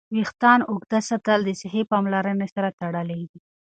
ویښتان اوږد ساتل د صحي پاملرنې سره تړلي.